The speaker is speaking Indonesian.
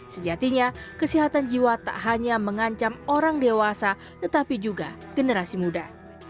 sejatinya kesehatan jiwa tak hanya mengancam orang dewasa tetapi juga generasi muda